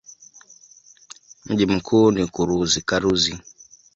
Mji mkuu ni Karuzi.